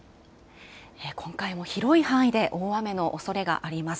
今回も広い範囲で大雨のおそれがあります。